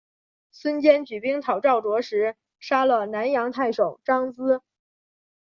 孙坚举兵讨董卓时杀了南阳太守张咨。